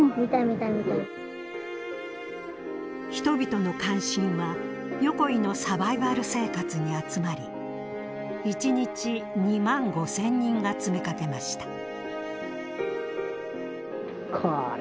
人々の関心は横井のサバイバル生活に集まり１日２万５，０００人が詰めかけました。